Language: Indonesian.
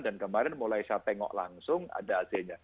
dan kemarin mulai saya tengok langsung ada hasilnya